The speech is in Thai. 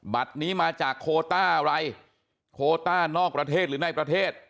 บัตรนี้มาจากโคต้าอะไรโคต้านอกประเทศหรือในประเทศ